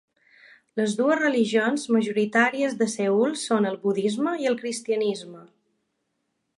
Les dues religions majoritàries de Seül són el budisme i el cristianisme.